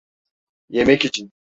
Yemek için.